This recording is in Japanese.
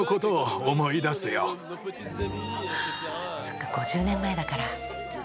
そっか５０年前だから。